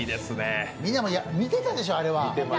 みんなも見てたでしょ、あれは。